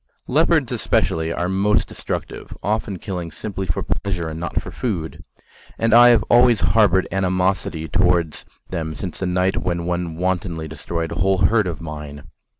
Leopards especially are most destructive, often killing simply for pleasure and not for food: and I have always harboured animosity towards them since the night when one wantonly destroyed a whole herd of mine.